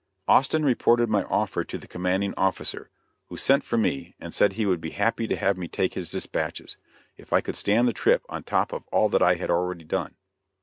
Austin reported my offer to the commanding officer, who sent for me and said he would be happy to have me take his dispatches, if I could stand the trip on top of all that I had already done.